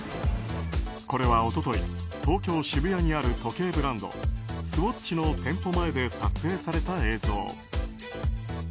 これは一昨日、東京・渋谷にある時計ブランドスウォッチの店舗前で撮影された映像。